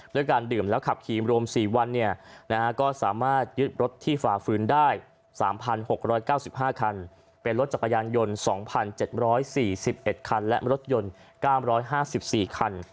ด้วยการดื่มแล้วขับขี่รวม๔วันก็สามารถยึดรถที่ฝ่าฝืนได้๓๖๙๕คันเป็นรถจักรยานยนต์๒๗๔๑คันและรถยนต์๙๕๔คัน